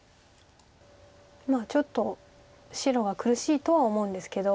ちょっと白は苦しいとは思うんですけど。